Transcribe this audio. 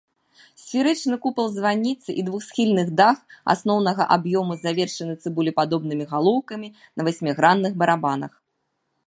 Сферычны купал званіцы і двухсхільны дах асноўнага аб'ёму завершаны цыбулепадобнымі галоўкамі на васьмігранных барабанах.